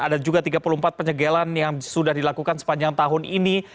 ada juga tiga puluh empat penyegelan yang sudah dilakukan sepanjang tahun ini